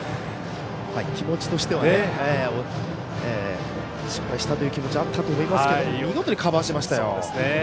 気持ちとしては失敗したという気持ちがあったと思いますけど見事にカバーしましたよ。